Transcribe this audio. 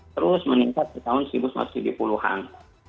terus meningkat di tahun seribu sembilan ratus tujuh puluh an